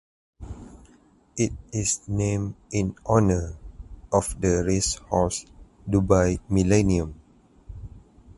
It is named in honour of the racehorse Dubai Millennium.